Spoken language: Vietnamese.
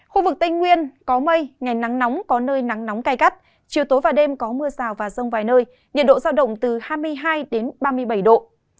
khu vực tây nguyên có mây ngày nắng nóng có nơi nắng nóng cay gắt chiều tối và đêm có mưa rào và rông vài nơi nhiệt độ giao động từ hai mươi hai ba mươi bảy độ